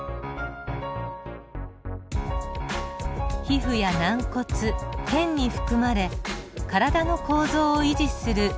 皮膚や軟骨腱に含まれ体の構造を維持するコラーゲン。